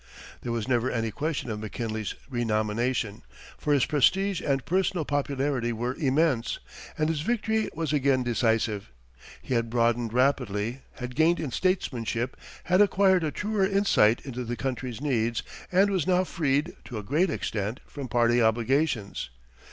There was never any question of McKinley's renomination, for his prestige and personal popularity were immense, and his victory was again decisive. He had broadened rapidly, had gained in statesmanship, had acquired a truer insight into the country's needs, and was now freed, to a great extent, from party obligations.